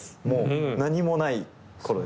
何もないころですね。